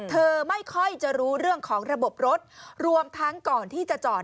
เธอไม่ค่อยจะรู้เรื่องของระบบรถรวมทั้งก่อนที่จะจอด